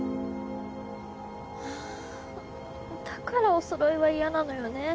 だからおそろいは嫌なのよね。